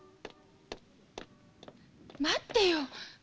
待ってよ。